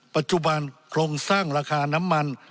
ปัจจุบันโครงสร้างราคาน้ำมัน